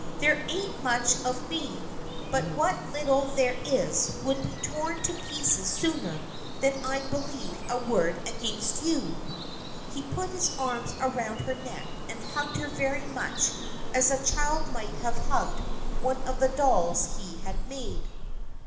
There ain't much of me, but what little there is would be torn to pieces sooner than I'd believe a word against you!" He put his arms around her neck and hugged her very much as a child might have hugged one of the dolls he had made.